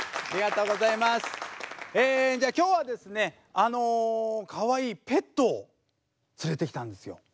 じゃあ今日はですねかわいいペットを連れてきたんですよ。